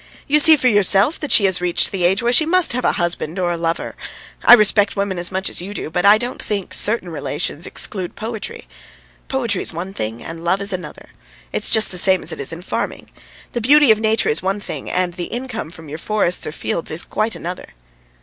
You see for yourself that she has reached the age when she must have a husband or a lover. I respect women as much as you do, but I don't think certain relations exclude poetry. Poetry's one thing and love is another. It's just the same as it is in farming. The beauty of nature is one thing and the income from your forests or fields is quite another."